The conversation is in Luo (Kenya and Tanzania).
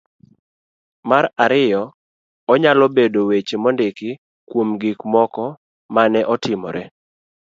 ma ariyo .Onyalo bedo weche mondiki kuom gik moko ma ne otimore..